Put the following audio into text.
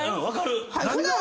分かる！